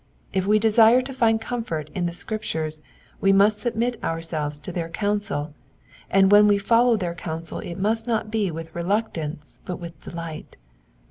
If we desire to find comfort in the Scriptures we must submit ourselves to their counsel, and when we follow their counsel it must not be with reluc tance but with delight.